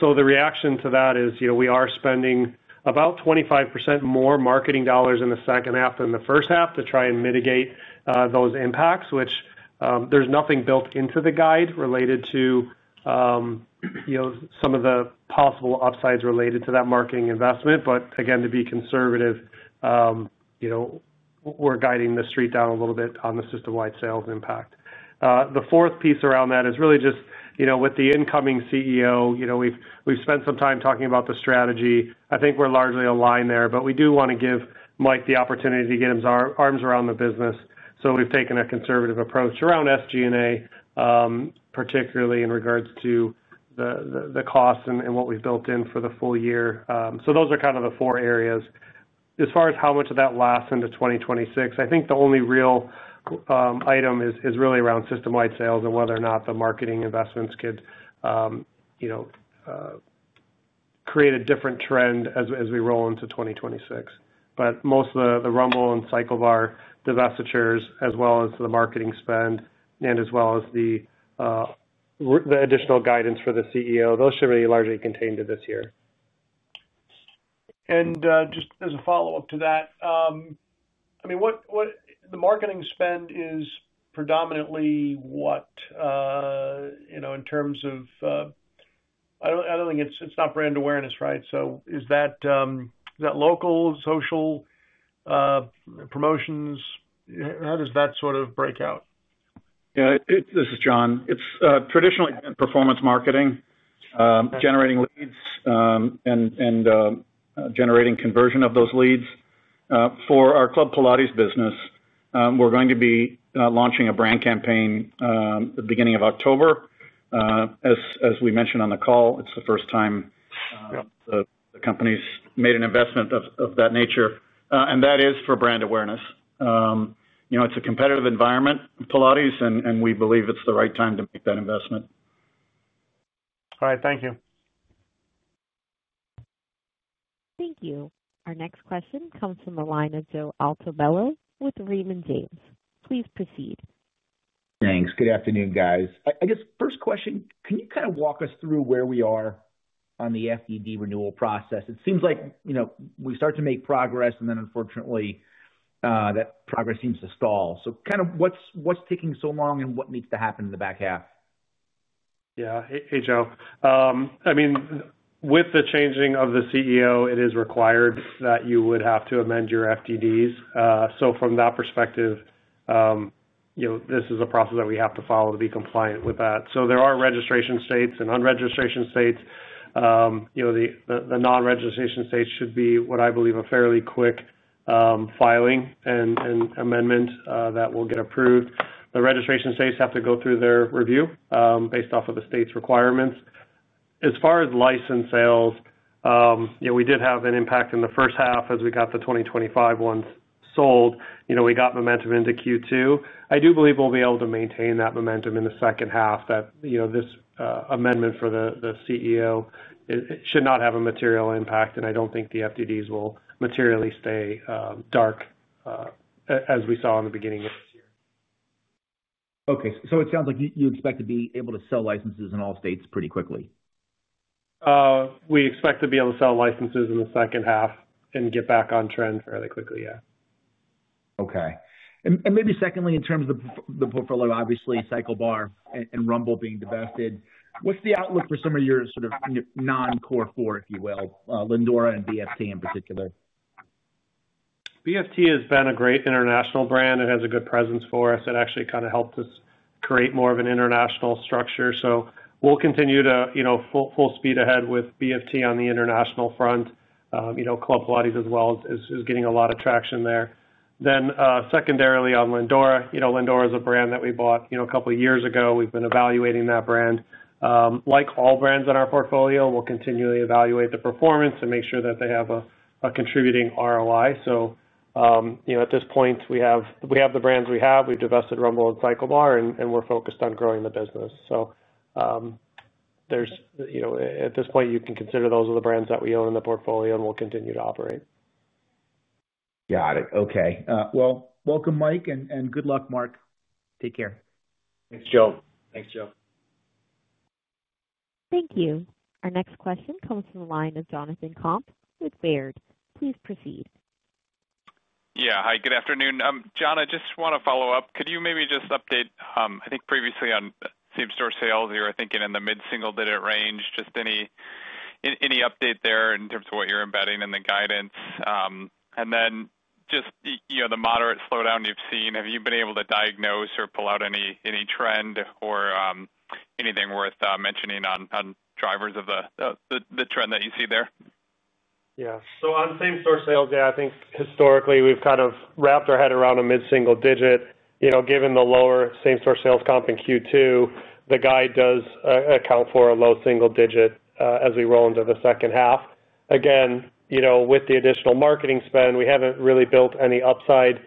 The reaction to that is, we are spending about 25% more marketing dollars in the second half than the first half to try and mitigate those impacts, which there's nothing built into the guide related to some of the possible upsides related to that marketing investment. Again, to be conservative, we're guiding the street down a little bit on the system-wide sales impact. The fourth piece around that is really just with the incoming CEO. We've spent some time talking about the strategy. I think we're largely aligned there, but we do want to give Mike the opportunity to get his arms around the business. We've taken a conservative approach around SG&A, particularly in regards to the costs and what we've built in for the full year. Those are kind of the four areas as far as how much of that lasts into 2026. I think the only real item is really around system-wide sales and whether or not the marketing investments could, you know, create a different trend as we roll into 2026. Most of the Rumble and CycleBar divestitures, as well as the marketing spend and the additional guidance for the CEO, those should be largely contained this year. Just as a follow-up to that, I mean, what the marketing spend is predominantly, you know, in terms of, I don't think it's, it's not brand awareness, right? Is that local social promotions? How does that sort of break out? Yeah, this is John. It's traditionally performance marketing, generating leads and generating conversion of those leads. For our Club Pilates business, we're going to be launching a brand campaign the beginning of October. As we mentioned on the call, it's the first time the company's made an investment of that nature. That is for brand awareness. You know, it's a competitive environment, Pilates, and we believe it's the right time to make that investment. All right, thank you. Thank you. Our next question comes from the line of Joe Altobello with Raymond James. Please proceed. Thanks. Good afternoon, guys. I guess, first question, can you kind. Walk us through where we are. On the FDD renewal process, it seems like, you know, we start to make progress and then unfortunately that. Progress seems to stall. What's taking so long, and what needs to happen in the back half? Yeah. Hey, Joe. I mean with the changing of the CEO, it is required that you would have to amend your FDDs. From that perspective, you know, this is a process that we have to follow to be compliant with that. There are registration states and unregistration states. The non-registration states should be what I believe a fairly quick filing and amendment that will get approved. The registration states have to go through their review based off of the state's requirements. As far as license sales, you know, we did have an impact in the first half as we got the 2025 ones sold. We got momentum into Q2. I do believe we'll be able to maintain that momentum in the second half. This amendment for the CEO should not have a material impact. I don't think the FDDs will materially stay dark as we saw in the beginning of this year. Okay, it sounds like you expect to be able to sell licenses in. All states pretty quickly. We expect to be able to sell licenses in the second half and get back on trend fairly quickly. Yeah. Okay. Maybe secondly, in terms of the portfolio, obviously CycleBar and Rumble being divested, what's the outlook for some of. Your sort of non-core four, if you will. Lindora and BFT in particular? BFT has been a great international brand and has a good presence for us. It actually kind of helped us create more of an international structure. We'll continue to, you know, full speed ahead with BFT on the international front. Club Pilates as well is getting a lot of traction there. Secondarily on Lindora, Lindora is a brand that we bought a couple years ago. We've been evaluating that brand. Like all brands in our portfolio, we'll continually evaluate the performance and make sure that they have a contributing ROI. At this point we have the brands we have. We've divested Rumble and CycleBar and we're focused on growing the business. At this point you can consider those are the brands that we own in the portfolio and we'll continue to operate. Got it. Okay. Welcome Mike and good luck, Mark. Take care. Thanks, Joe. Thanks, Joe. Thank you. Our next question comes from the line of Jonathan Komp with Baird. Please proceed. Yeah, hi, good afternoon, John. I just want to follow up. Could you maybe just update, I think previously on same store sales you were thinking in the mid single digit range. Just any update there in terms of what you're embedding in the guidance, and then just the moderate slowdown you've seen. Have you been able to diagnose or pull out any trend or anything worth mentioning on drivers of the trend that you see there? Yeah, so on same store sales, I think historically we've kind of wrapped our head around a mid single digit, you know, given the lower same store sales comp in Q2. The guide does account for a low single digit as we roll into the second half. Again, you know, with the additional marketing spend, we haven't really built any upside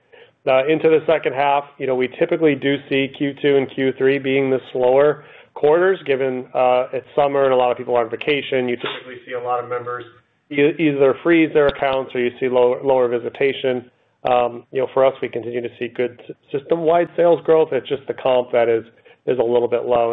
into the second half. You know, we typically do see Q2 and Q3 being the slower quarters, given it's summer and a lot of people on vacation. You typically see a lot of members either freeze their accounts or you see lower, lower visitation. For us, we continue to see good system-wide sales growth. It's just the comp that is a little bit low.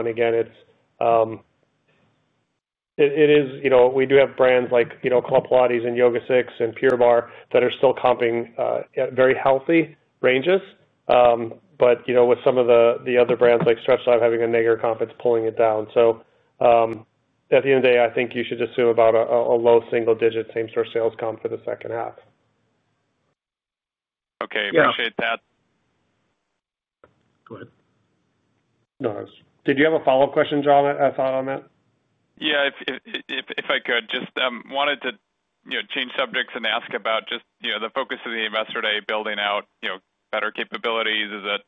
We do have brands like, you know, Club Pilates and YogaSix and Pure Barre that are still comping at very healthy ranges, but with some of the other brands like StretchLab having a negative comp, it's pulling it down. At the end of the day, I think you should assume about a low single digit same store sales comp for the second half. Okay, appreciate that. Go ahead. Did you have a follow-up question? John, thought on that, yeah. If I could just change subjects and ask about the focus of the Investor Day, building out better capabilities. Is it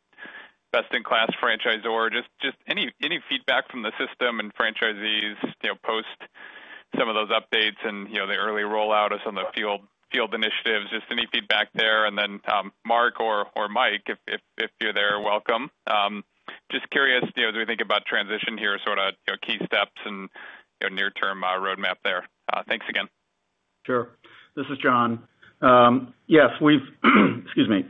best in class franchisor? Just any feedback from the system and franchisees post some of those updates and the early rollout of some of the field initiatives. Just any feedback there and then Mark or Mike if you're there. Welcome. Just curious as we think about transition here, sort of key steps and near-term roadmap there. Thanks again. Sure. This is John. Yes, we've. Excuse me.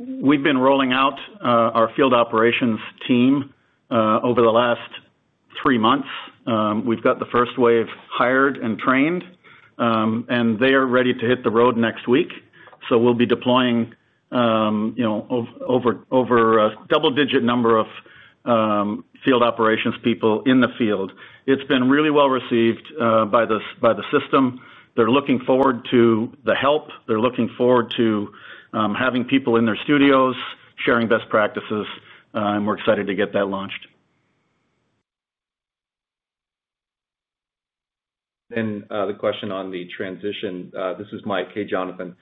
We've been rolling out our field operations team over the last three months. We've got the first wave hired and trained, and they are ready to hit the road next week. We will be deploying over a double-digit number of field operations people in the field. It's been really well received by the system. They're looking forward to the help, they're looking forward to having people in their studios sharing best practices, and we're excited to get that launched. The question on the transition, this is Mike. Hey Jonathan.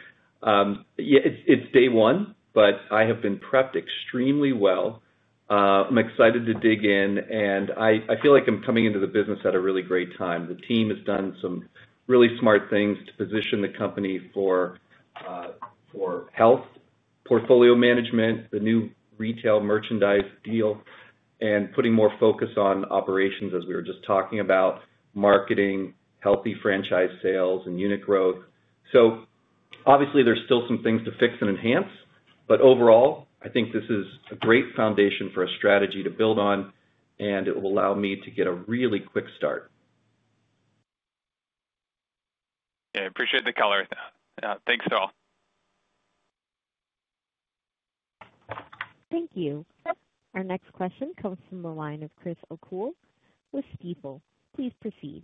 It's day one but I have been prepped extremely well. I'm excited to dig in and I feel like I'm coming into the business at a really great time. The team has done some really smart things to position the company for health portfolio management, the new retail merchandise deal, and putting more focus on operations. As we were just talking about marketing, healthy franchise sales, and unit growth, there are still some things to fix and enhance. Overall, I think this is a great foundation for a strategy to build on, and it will allow me to. Get a really quick start. I appreciate the color. Thanks all. Thank you. Our next question comes from the line of Chris O'Cull with Stifel. Please proceed.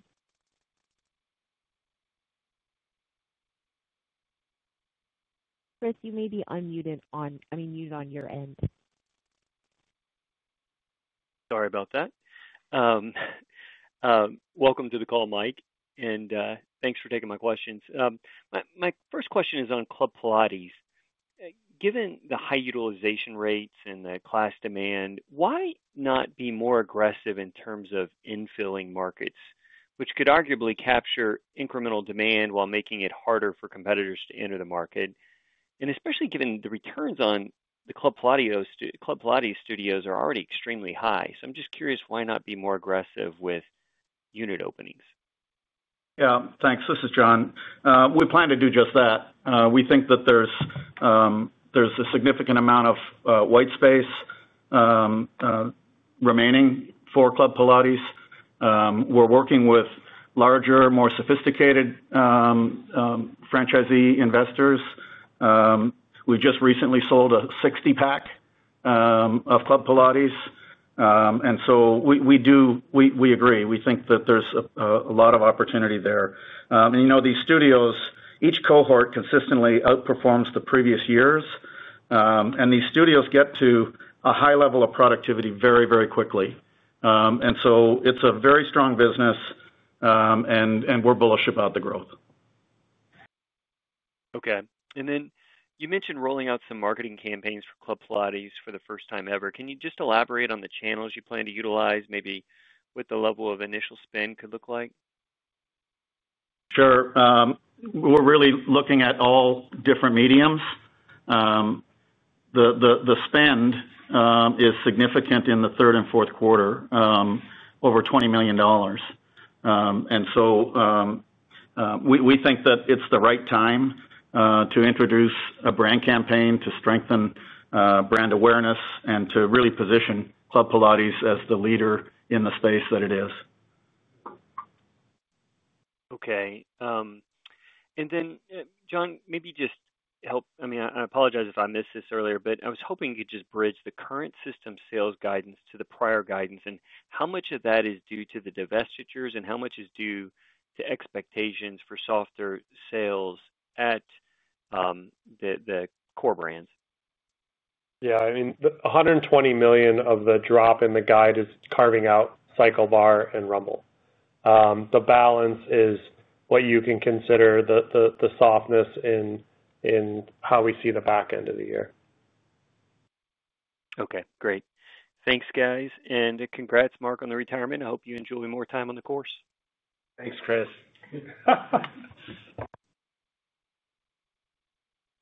Chris, you may be muted on your end. Sorry about that. Welcome to the call, Mike, and thanks for taking my questions. My first question is on Club Pilates. Given the high utilization rates and the class demand, why not be more aggressive in terms of infilling markets, which could arguably capture incremental demand while making it harder for competitors to enter the market? Especially given the returns on the Club Pilates studios are already extremely high, I'm just curious, why not be more aggressive with unit openings? Yeah, thanks. This is John. We plan to do just that. We think that there's a significant amount of white space remaining for Club Pilates. We're working with larger, more sophisticated franchisee investors. We just recently sold a 60 pack of Club Pilates, and we do. We agree. We think that there's a lot of opportunity there. These studios, each cohort consistently outperforms the previous years, and these studios get to a high level of productivity very, very quickly. It is a very strong business, and we're bullish about the growth. Okay, and then you mentioned rolling out some marketing campaigns for Club Pilates for the first time ever. Can you just elaborate on the channels you plan to utilize, maybe what the level of initial spend could look like? Sure. We're really looking at all different mediums. The spend is significant in the third and fourth quarter, over $20 million. We think that it's the right time to introduce a brand campaign to strengthen brand awareness and to really position Club Pilates as the leader in the space that it is. Okay. John, maybe just help. I apologize if I missed this earlier, but I was hoping you just bridge the current system-wide sales guidance to the prior guidance. How much of that is due to the divestitures and how much is due to expectations for softer sales at the core brands? Yeah, I mean, $120 million of the drop in the guide is carving out CycleBar and Rumble. The balance is what you can consider the softness in how we see the back end of the year. Okay, great. Thanks, guys. Congratulations, Mark, on the retirement. I hope you enjoy more time on the course. Thanks, Chris.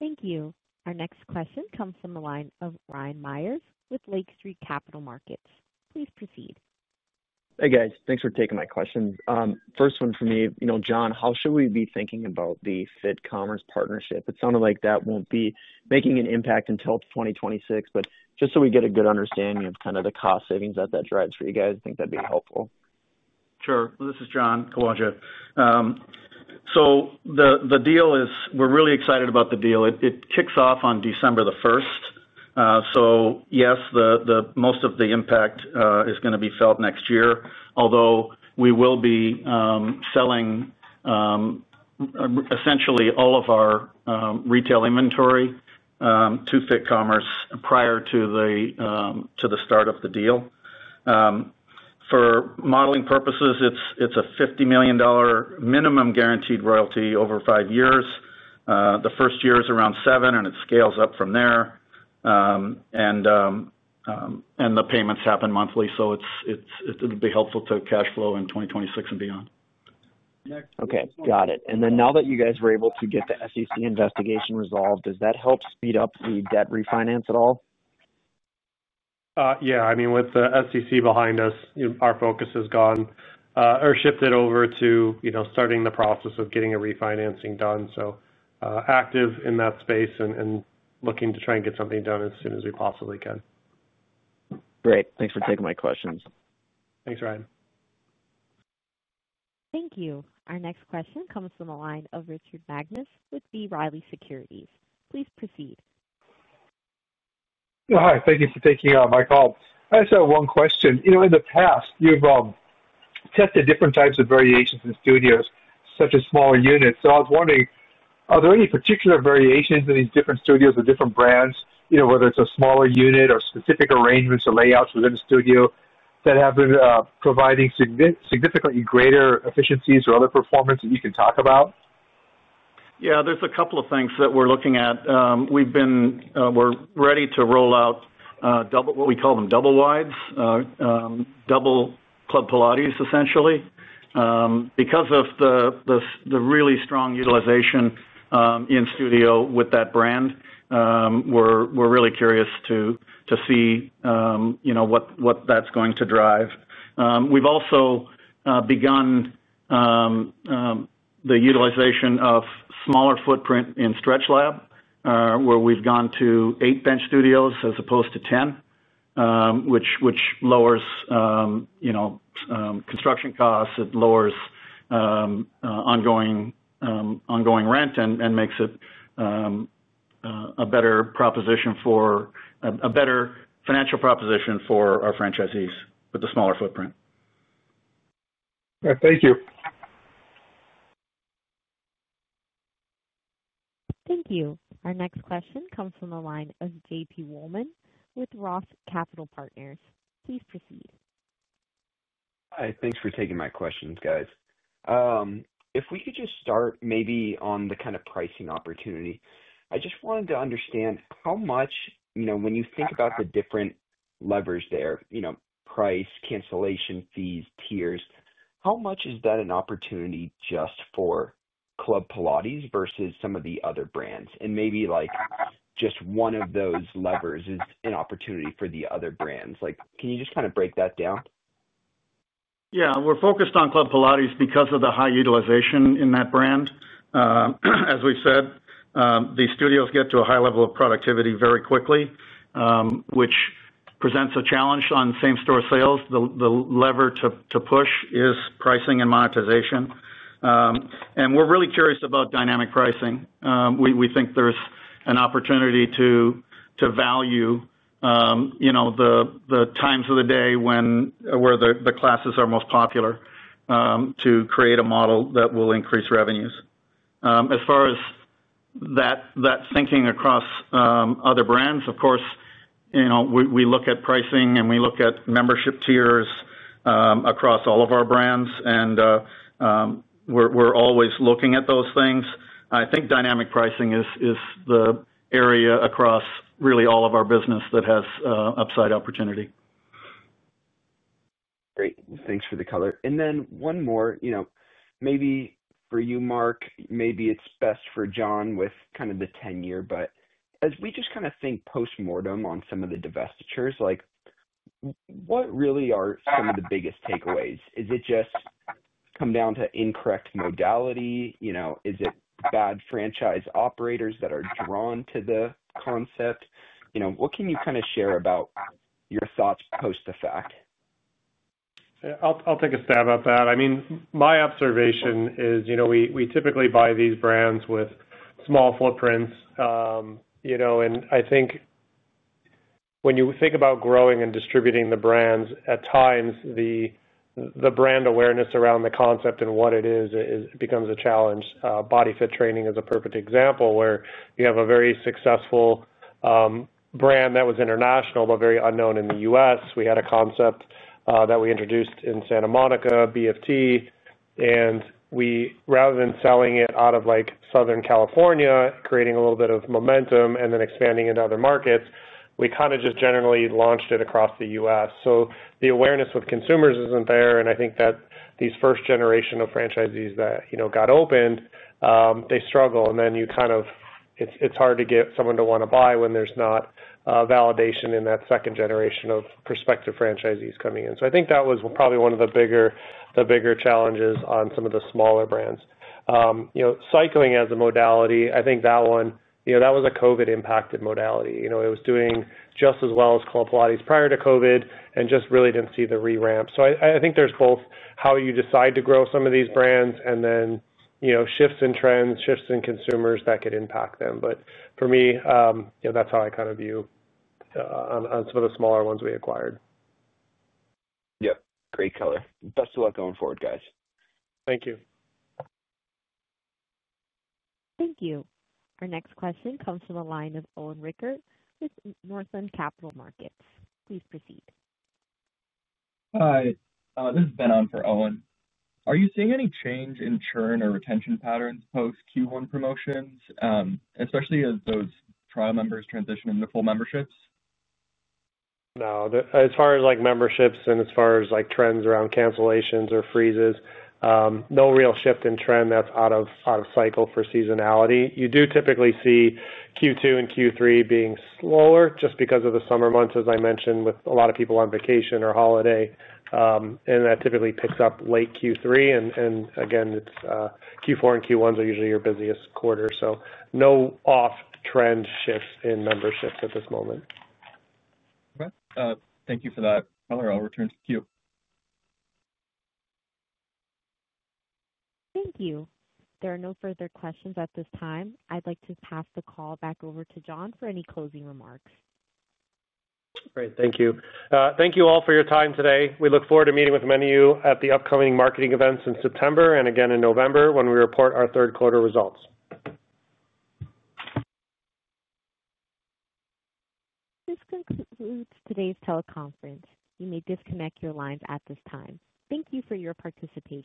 Thank you. Our next question comes from the line of Ryan Meyers with Lake Street Capital Markets. Please proceed. Hey, guys, thanks for taking my question. First one for me, you know, John, how should we be thinking about the Fit Commerce partnership? It sounded like that won't be making an impact until 2026. Just so we get a good. Understanding of kind of the cost savings at that drive-through, you guys think that'd be helpful? Sure. This is John Kawaja. The deal is. We're really excited about the deal. It kicks off on December the 1st. Yes, most of the impact is going to be felt next year, although we will be selling essentially all of our retail inventory to Fit Commerce prior to the start of the deal for modeling purposes. It's a $50 million minimum guaranteed royalty over five years. The first year is around $7 million, and it scales up from there, and the payments happen monthly. It will be helpful to cash flow in 2026 and beyond. Okay, got it. Now that you guys were able to get the SEC investigation resolved, does that help speed up the debt refinance at all? Yeah, with the SEC behind us, our focus has shifted over to starting the process of getting a refinancing done. We are active in that space and looking to try and get something done as soon as we possibly can. Great. Thanks for taking my questions. Thanks, Ryan. Thank you. Our next question comes from the line of Richard Magnusen with B. Riley Securities. Please proceed. Hi. Thank you for taking my call. I just have one question. In the past, you've tested different types of variations in studios such as smaller units. I was wondering, are there any particular variations in these different studios or different brands, whether it's a smaller unit or specific arrangements or layouts within the studio, that have been providing significantly greater efficiencies or other performance that you can talk about? Yeah, there's a couple of things that we're looking at. We're ready to roll out what we call double wides, double Club Pilates, essentially, because of the really strong utilization in studio with that brand. We're really curious to see what that's going to drive. We've also begun the utilization of smaller footprint in StretchLab, where we've gone to 8 bench studios as opposed to 10, which lowers construction costs. It lowers ongoing rent and makes it a better proposition for a better financial proposition for our franchisees with the smaller footprint. Thank you. Thank you. Our next question comes from the line of J.P. Wollam with ROTH Capital Markets. Please proceed. Thanks for taking my questions, guys. If we could just start maybe on the kind of pricing opportunity. I just wanted to understand how much, you know, when you think about the different levers there, you know, price, cancellation fees, tiers, how much is that an opportunity just for Club Pilates versus some of the other brands? Maybe like just one of those levers is an opportunity for the other brands. Can you just kind of break that down? Yeah, we're focused on Club Pilates because of the high utilization in that brand. As we said, the studios get to a high level of productivity very quickly, which presents a challenge on same store sales. The lever to push is pricing and monetization. We're really curious about dynamic pricing. We think there's an opportunity to value the times of the day where the classes are most popular to create a model that will increase revenues. As far as that thinking across other brands, of course, we look at pricing and we look at membership tiers across all of our brands and we're always looking at those things. I think dynamic pricing is the area across really all of our business that has upside opportunity. Great. Thanks for the color. One more maybe for you, Mark. Maybe it's best for John with kind of the 10 year. As we just kind of think post mortem on some of the divestitures, what really are some of the biggest takeaways? Does it just come down to incorrect modality? Is it bad franchise operators that are drawn to the concept? What can you share about your thoughts post the fact that. I'll take a stab at that. I mean, my observation is, you know, we typically buy these brands with small footprints, you know, and I think when you think about growing and distributing the brands, at times the brand awareness around the concept and what it is becomes a challenge. Body Fit Training is a perfect example where you have a very successful brand that was international but very unknown in the U.S. We had a concept that we introduced in Santa Monica, BFT, and we, rather than selling it out of like Southern California, creating a little bit of momentum and then expanding into other markets, we kind of just generally launched it across the U.S. The awareness with consumers isn't there. I think that these first generation of franchisees that, you know, got opened, they struggle and then you kind of, it's hard to get someone to want to buy when there's not validation in that second generation of prospective franchisees coming in. I think that was probably one of the bigger challenges on some of the smaller brands. Cycling as a modality, I think that one was a COVID-impacted modality. It was doing just as well as Club Pilates prior to COVID and just really didn't see the re-ramp. I think there's both how you decide to grow some of these brands and then, you know, shifts in trends, shifts in consumers that could impact them. For me, that's how I kind of view on some of the smaller ones we acquired. Yep, great color. Best of luck going forward, guys. Thank you. Thank you. Our next question comes from the line of Owen Rickert with Northland Capital Markets. Please proceed. Hi, this is Ben on for Owen. Are you seeing any change in churn? Retention patterns post Q1 promotions, especially. As those trial members transition into full memberships? Now, as far as memberships and as far as trends around cancellations or freezes, no real shift in trend that's out of cycle for seasonality. You do typically see Q2 and Q3 being slower just because of the summer months, as I mentioned, with a lot of people on vacation or holiday, and that typically picks up late Q3. Q4 and Q1 are usually your busiest quarter. No off trend shifts in memberships at this moment. Thank you for that. I'll return to queue. Thank you. There are no further questions at this time. I'd like to pass the call back over to John for any closing remarks. Great. Thank you. Thank you all for your time today. We look forward to meeting with many of you at the upcoming marketing events in September and again in November when we report our third quarter results. This concludes today's teleconference. You may disconnect your lines at this time. Thank you for your participation.